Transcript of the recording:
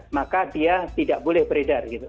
maka dia tidak boleh beredar gitu